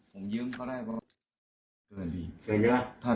ผมเยิ้มเขาได้ประมาณ